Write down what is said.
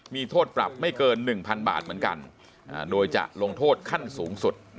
มีโทษปรับไม่เกิน๑๐๐๐บาทเหมือนกันโดยจะลงโทษขั้นสูงสุด